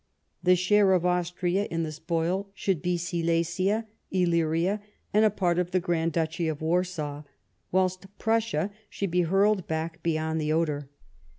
The share of Austria in the spoil should be Silesia^ Illyria, and a part of the Grand Duchy of Warsaw, whilst Prussia should be hurled back beyond the Oder.